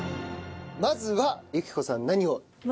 まずはゆき子さん何を？